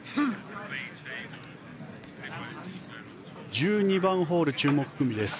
１２番ホール注目組です。